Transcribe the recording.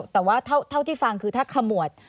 แต่ว่าเท่าที่ฟังคือถ้าขมวด